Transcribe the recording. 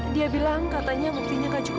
siapa yang jangan singkir